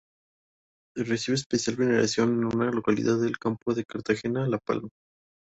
Recibe especial veneración en una localidad del Campo de Cartagena, La Palma.